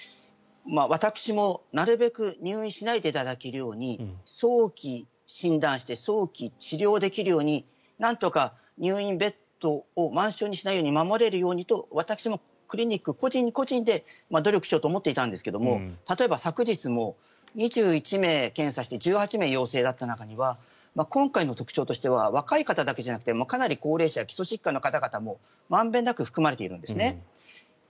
私もなるべく入院しないでいただけるように早期診断して早期治療できるようになんとか入院ベッドを満床にしないように守れるようにと私もクリニック個人個人で努力しようと思っていたんですが例えば、昨日も２１名検査して１８名陽性だった中には今回の特徴としては若い方だけじゃなくてかなり高齢者基礎疾患のある方々も満遍なく含まれているんですね。